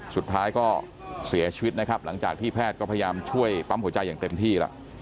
สุดท้ายก็เสียชีวิตนะครับหลังจากที่แพทย์ก็พยายามช่วยปั๊มหัวใจอย่างเต็มที่แล้ว